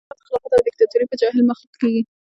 امارت خلافت او ديکتاتوري به جاهل مخلوق کېږي